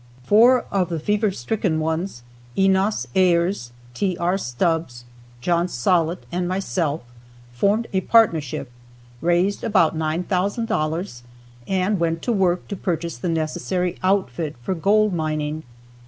Four of the fever stricken ones, Enos Ayres, T. R. Stubbs, John Sollitt and myself, formed a partnership, raised about $9,000 and went to work to purchase the necessary outfit for gold mining.